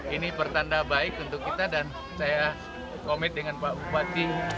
ini pertanda baik untuk kita dan saya komit dengan pak bupati